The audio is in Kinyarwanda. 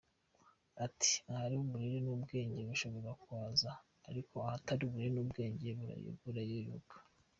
Ati “ahari uburere n’ubwenge bushobora kuhaza, ariko ahatari uburere n’ubwenge burayoyoka”.